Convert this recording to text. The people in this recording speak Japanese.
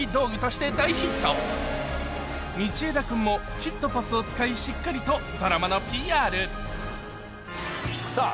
君もキットパスを使いしっかりとドラマのＰＲさぁ